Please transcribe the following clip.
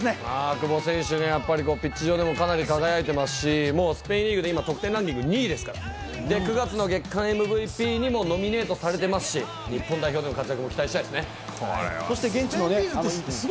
久保選手、今、輝いてますし、スペインリーグで今２位ですから、９月の月間ＭＶＰにもノミネートされてますし、日本代表での活躍も期待したいですね。